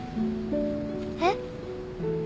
えっ？